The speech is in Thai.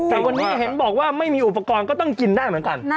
แต่วันนี้เห็นบอกว่าไม่มีอุปกรณ์ก็ต้องกินได้เหมือนกัน